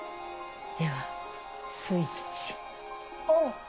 ではスイッチオン！